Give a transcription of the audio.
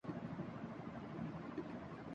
آنے کی دعوت اور باطل سے لڑنے کے لیے فردی